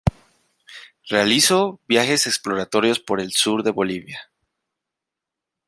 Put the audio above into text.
Realizó viajes exploratorios, por el sur de Bolivia.